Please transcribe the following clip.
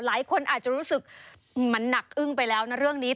หลายคนอาจจะรู้สึกมันหนักอึ้งไปแล้วนะเรื่องนี้